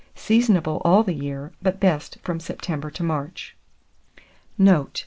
Seasonable all the year, but best from September to March. Note.